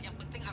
yang penting aku